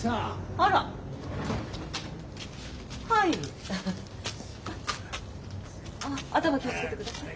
ああ頭気を付けてください。